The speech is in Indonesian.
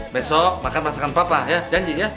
besok makan masakan papa ya janji ya